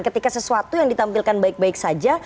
ketika sesuatu yang ditampilkan baik baik saja